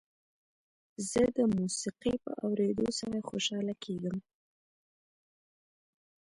زه د موسیقۍ په اورېدو سره خوشحاله کېږم.